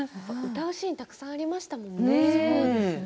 歌うシーンたくさんありましたものね。